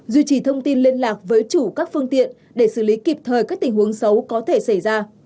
duy trì thông tin liên lạc với chủ các phương tiện để xử lý kịp thời các tình huống xấu có thể xảy ra